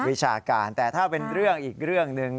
วิชาการแต่ถ้าเป็นเรื่องอีกเรื่องหนึ่ง